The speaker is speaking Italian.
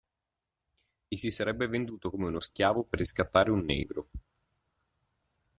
E si sarebbe venduto come uno schiavo per riscattare un negro…